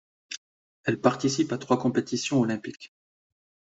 Elle participe à trois compétitions olympiques.